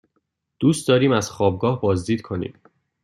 دوست داریم از خوابگاه بازدید کنیم.